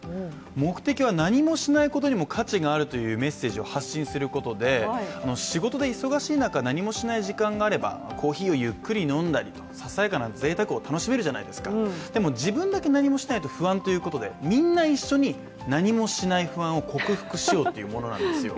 目的は何もしないことにも価値があるというメッセージを発信することで仕事で忙しい中、何もしない時間があればコーヒーをゆっくり飲んだりささやかなぜいたくを楽しめるじゃないですかでも、自分だけ何もしないと不安ということでみんな一緒に何もしない不安を克服しようというものなんですよ。